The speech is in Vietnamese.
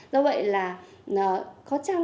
do vậy là